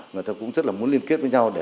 người ta cũng rất là muốn liên kết với nhau để